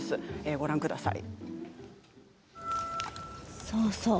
ご覧ください。